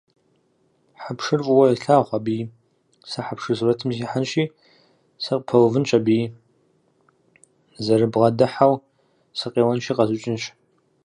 Хьэпшыр фӏыуэ елъагъу абыи, сэ хьэпшыр сурэтым сихьэнщи, сыкъыпэувынщ аби, нызэрызбгъэдыхьэу сыкъеуэнщи къэзукӏынщ!